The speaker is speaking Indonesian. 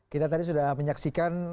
kita tadi sudah menyaksikan